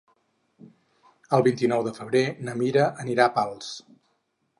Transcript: El vint-i-nou de febrer na Mira anirà a Pals.